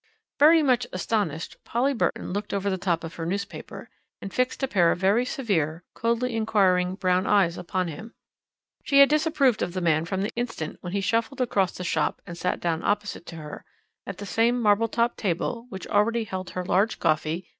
Very much astonished Polly Burton looked over the top of her newspaper, and fixed a pair of very severe, coldly inquiring brown eyes upon him. She had disapproved of the man from the instant when he shuffled across the shop and sat down opposite to her, at the same marble topped table which already held her large coffee (3d.)